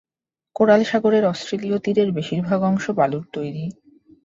Coral সাগরের অস্ট্রেলীয় তীরের বেশিরভাগ অংশ বালুর তৈরি।